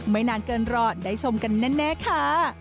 นานเกินรอได้ชมกันแน่ค่ะ